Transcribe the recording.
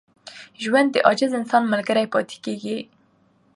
ژوند د عاجز انسان ملګری پاتې کېږي.